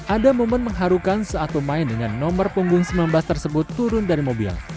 ada momen mengharukan saat pemain dengan nomor punggung sembilan belas tersebut turun dari mobil